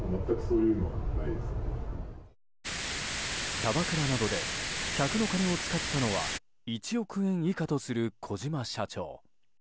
キャバクラなどで客の金を使ったのは１億円以下とする小島社長。